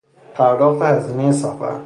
پرداخت هزینهی سفر